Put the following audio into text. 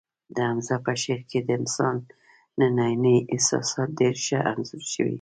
د حمزه په شعر کې د انسان ننني احساسات ډېر ښه انځور شوي